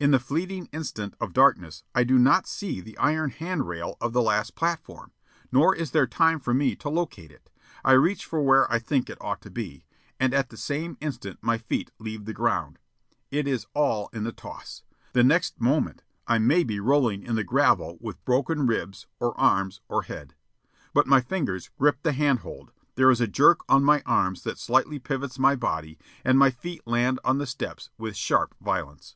In the fleeting instant of darkness I do not see the iron hand rail of the last platform; nor is there time for me to locate it. I reach for where I think it ought to be, and at the same instant my feet leave the ground. It is all in the toss. The next moment I may be rolling in the gravel with broken ribs, or arms, or head. But my fingers grip the hand hold, there is a jerk on my arms that slightly pivots my body, and my feet land on the steps with sharp violence.